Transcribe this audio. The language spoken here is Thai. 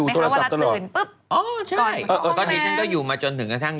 ตรงนี้คุณดูมันดู